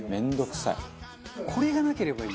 「これがなければいい」